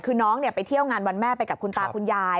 คือน้องไปเที่ยวงานวันแม่ไปกับคุณตาคุณยาย